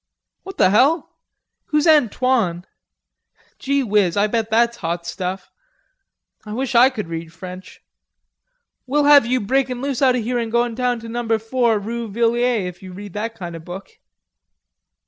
"What the hell? Who's Antoine? Gee whiz, I bet that's hot stuff. I wish I could read French. We'll have you breakin' loose out o' here an' going down to number four, roo Villiay, if you read that kind o' book."